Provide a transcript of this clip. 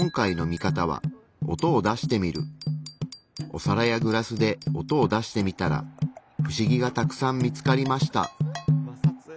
お皿やグラスで音を出してみたらふしぎがたくさん見つかりました。